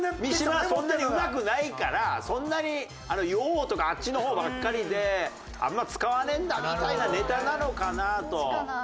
そんなにうまくないからそんなに「よーっ！」とかあっちの方ばっかりであんま使わねえんだみたいなネタなのかなと。